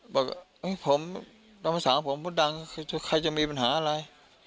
บอกว่าตำราสาวผมดังใครจะมีปัญหาอะไร